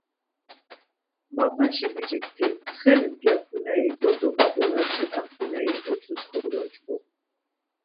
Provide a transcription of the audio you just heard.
Mapaşi biç̌ikti tsxenis gexuneri bozo ǩap̌ulas eǩaxuneri oçus kogyoç̌ǩu.